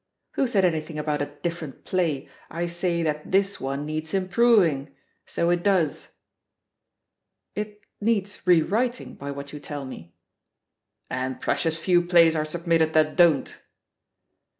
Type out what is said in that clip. Who said anything about a ^different play'? I say that this one needs improving. So it does." "It needs rewriting, by what you tell me." "And precious few plays are submitted that don't!"